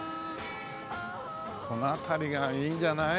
この辺りがいいんじゃない？